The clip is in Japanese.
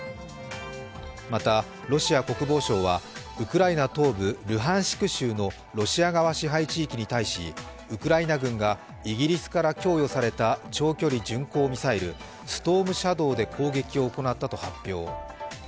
また、ロシア国防省はウクライナ東部ルハンシク州のロシア側支配地域に対し、ウクライナ軍がイギリスから供与された長距離巡航ミサイル＝ストームシャドーで攻撃を行ったと発表。